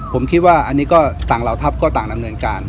ผมคิดว่าอันนี้ก็ต่างเหล่าทัพก็ต่างดำเนินการ